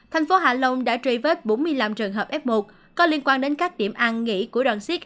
thành phố hạ long đã truy vết bốn mươi năm trường hợp f một có liên quan đến các điểm ăn nghỉ của đoàn siết